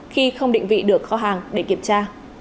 khi không định vị được kho hàng để kiểm tra